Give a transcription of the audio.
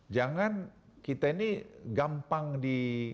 jangan kita ini gampang di